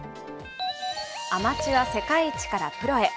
アマチュア世界一からプロへ。